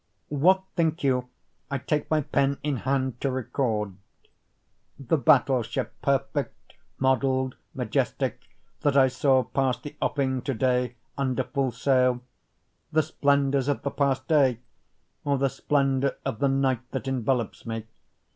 What think you I take my pen in hand to record? The battle ship, perfect model'd, majestic, that I saw pass the offing to day under full sail? The splendors of the past day? or the splendor of the night that envelops me?